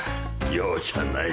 容赦ない。